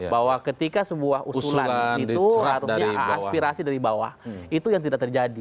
bahwa ketika sebuah usulan itu harusnya aspirasi dari bawah itu yang tidak terjadi